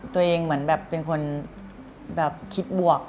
เหมือนแบบเป็นคนแบบคิดบวก